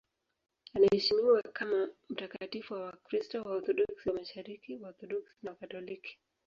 Anaheshimiwa kama mtakatifu na Wakristo Waorthodoksi wa Mashariki, Waorthodoksi na Wakatoliki.